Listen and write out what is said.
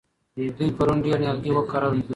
دوی پرون ډېر نیالګي وکرل.